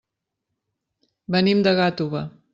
Venim de Gàtova.